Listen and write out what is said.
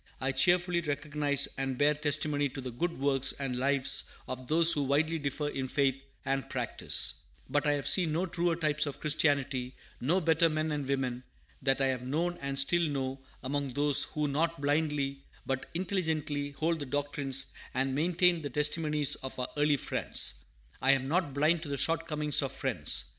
I cheerfully recognize and bear testimony to the good works and lives of those who widely differ in faith and practice; but I have seen no truer types of Christianity, no better men and women, than I have known and still know among those who not blindly, but intelligently, hold the doctrines and maintain the testimonies of our early Friends. I am not blind to the shortcomings of Friends.